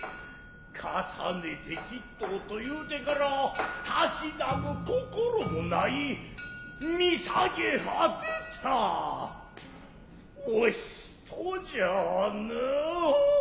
重ねてきっとと云ふてからたしなむ心も無い見下げ果てたお人じゃなア。